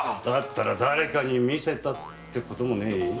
だったら誰かに見せたってこともねえ？